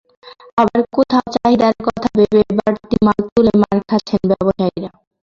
আবার কোথাও চাহিদার কথা ভেবে বাড়তি মাল তুলে মার খাচ্ছেন ব্যবসায়ীরা।